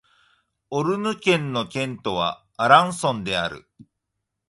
オルヌ県の県都はアランソンである